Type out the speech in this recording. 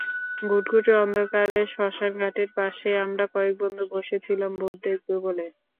ঘুটঘুটে অন্ধকারে শ্মশানঘাটের পাশে আমরা কয়েক বন্ধু বসে ছিলাম ভূত দেখব বলে।